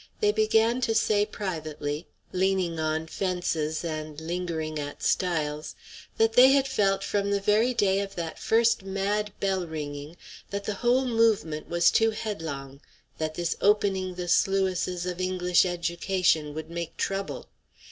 They began to say privately, leaning on fences and lingering at stiles, that they had felt from the very day of that first mad bell ringing that the whole movement was too headlong; that this opening the sluices of English education would make trouble.